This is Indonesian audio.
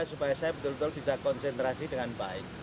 supaya saya betul betul bisa konsentrasi dengan baik